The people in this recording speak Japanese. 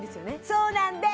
そうなんです！